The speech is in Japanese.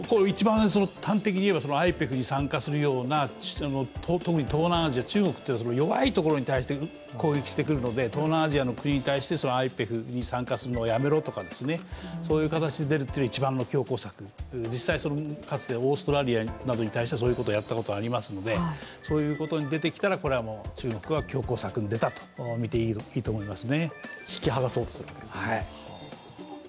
端的に言えばＩＰＥＦに参加するような、中国というのは弱いところに対して攻撃してくるので、東南アジアの国に対してＩＰＥＦに参加するのをやめろとかそういう形で出るのが一番の強硬策、オーストラリアなどに対してそういうことをやったことがありますのでそういうことをやったらこれは中国は強硬策に出たと見ていいと思います。